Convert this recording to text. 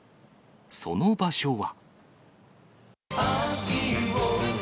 その場所は。